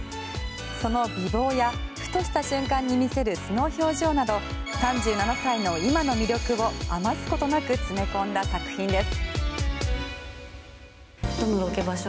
その美ぼうやふとした瞬間に見せる素の表情など３７歳の今の魅力を余すことなく詰め込んだ作品です。